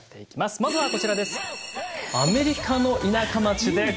まずはこちらです。